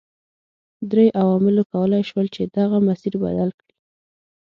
درې عواملو کولای شول چې دغه مسیر بدل کړي.